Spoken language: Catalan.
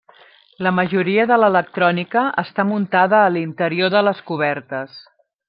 La majoria de l'electrònica està muntada a l'interior de les cobertes.